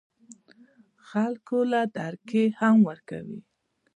خلکو له دړکې هم ورکوي